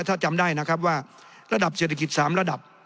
ถ้าจำได้นะครับว่าระดับเศรษฐกิจ๓ระดับ